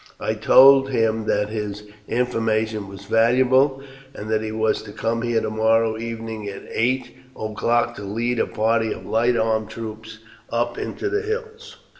I told him that his information was valuable, and that he was to come here to morrow evening at eight o'clock to lead a party of light armed troops up into the hills."